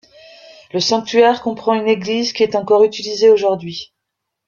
Le sanctuaire comprend une église qui est encore utilisée aujourd'hui.